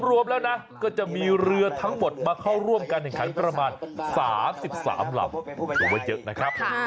รวมแล้วนะก็จะมีเรือทั้งหมดมาเข้าร่วมการแข่งขันประมาณ๓๓ลำถือว่าเยอะนะครับ